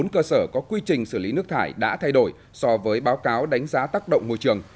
bốn cơ sở có quy trình xử lý nước thải đã thay đổi so với báo cáo đánh giá tác động môi trường